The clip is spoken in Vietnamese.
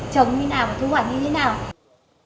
chống như thế nào và thu hoạch như thế nào